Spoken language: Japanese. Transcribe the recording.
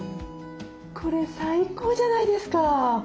これ最高じゃないですか。